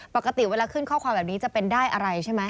ปกติเวลาขึ้นข้อความแบบนี้จะเป็นได้อะไรใช่ไหม